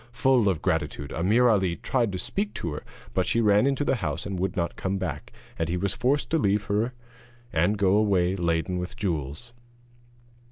Full of gratitude, Ameer Ali tried to speak to her, but she ran into the house and would not come back, and he was forced to leave her and go away laden with the jewels.